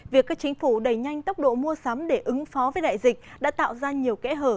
việc các chính phủ đẩy nhanh tốc độ mua sắm để ứng phó với đại dịch đã tạo ra nhiều kẽ hở